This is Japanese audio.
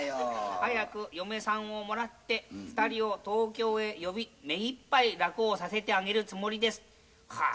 「早く嫁さんをもらって２人を東京へ呼び目いっぱい楽をさせてあげるつもりです」はあ。